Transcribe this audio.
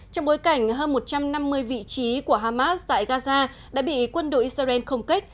trong bối cảnh hơn một trăm năm mươi vị trí của hamas tại gaza đã bị quân đội israel không kích